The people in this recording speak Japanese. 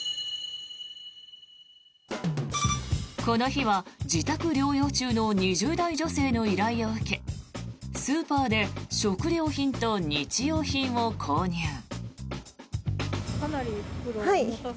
この日は自宅療養中の２０代女性の依頼を受けスーパーで食料品と日用品を購入。